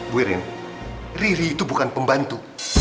bu irin riri itu bukan pembantu